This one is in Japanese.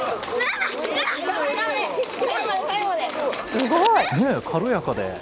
すごい。ねえ、軽やかで。